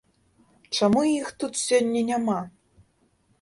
Чаму іх тут сёння няма?